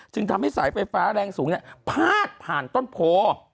ทำให้สายไฟฟ้าแรงสูงพาดผ่านต้นโพ